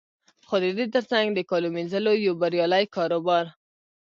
خو د دې تر څنګ د کالو مینځلو یو بریالی کاروبار